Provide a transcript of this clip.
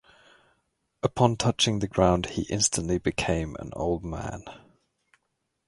Upon touching the ground he instantly became an old man.